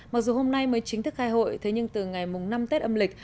mặc dù hôm nay mới chính thức khai hội thế nhưng từ ngày năm tết âm lịch